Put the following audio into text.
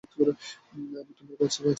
তুমি আমাকে বাঁচিয়েছ।